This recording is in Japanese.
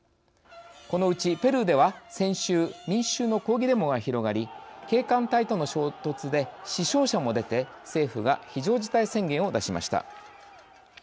このうち、ペルーでは、先週民衆の抗議デモが広がり警官隊との衝突で死傷者も出て政府が非常事態宣言を出しました。